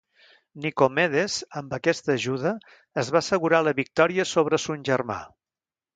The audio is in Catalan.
Nicomedes amb aquesta ajuda es va assegurar la victòria sobre son germà.